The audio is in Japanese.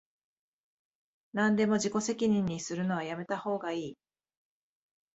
なんでも自己責任にするのはやめたほうがいい